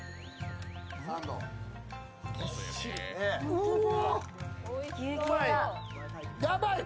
うわ！